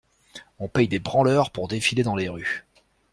On paye des branleurs pour défiler dans les rues.